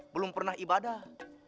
belum pernah ibadah